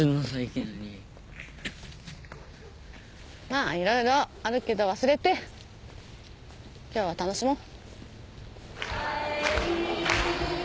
まぁいろいろあるけど忘れて今日は楽しもう。